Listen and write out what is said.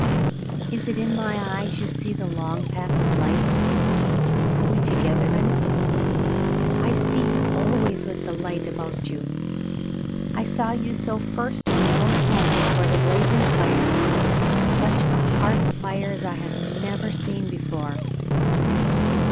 "Is it in my eyes you see the long path of light ? Are we together in it ? I see you always with the light about you. I saw you so first in your own home before the blaz ing fire — such a hearth fire as I had never seen before.